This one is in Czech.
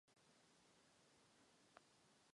Po základní části československá liga byla ukončena.